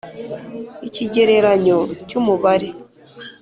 Ikigereranyo cy umubare